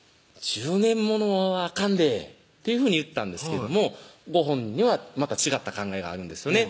「１０年物はあかんで」っていうふうに言ったんですけどもご本人にはまた違った考えがあるんですよね